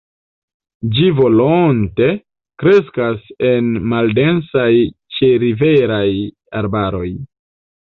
Ĝi volonte kreskas en maldensaj ĉeriveraj arbaroj.